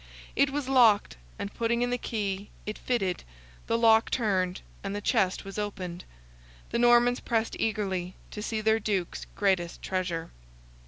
It was locked, and putting in the key, it fitted, the lock turned, and the chest was opened. The Normans pressed eagerly to see their Duke's greatest treasure.